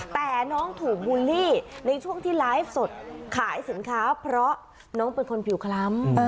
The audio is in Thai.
แต่น้องถูกบูลลี่ในช่วงที่ไลฟ์สดขายสินค้าเพราะน้องเป็นคนผิวคล้ำ